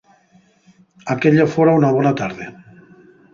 Aquella fuera una bona tarde.